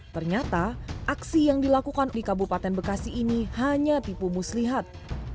ternyata aksi yang dilakukan di kabupaten bekasi ini hanya tipu muslihat